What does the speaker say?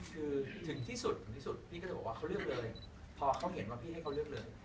คือถึงที่สุดถึงที่สุดพี่ก็จะบอกว่าเขาเลือกเลยพอเขาเห็นว่าพี่ให้เขาเลือกเลย